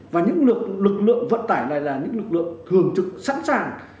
và những lực lượng vận tải này là những lực lượng thường trực sẵn sàng